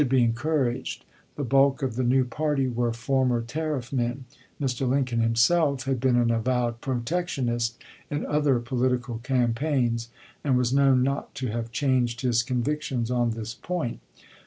be encouraged; the bulk of the new party were former tariff men ; Mr. Lincoln himself had been an avowed protectionist in other political cam paigns, and was known not to have changed his convictions on this point.